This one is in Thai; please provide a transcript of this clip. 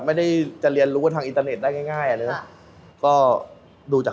ไม่ได้จะเรียนรู้อ่ะทางอินเทอร์เนซได้ง่ายอ่ะเนอะ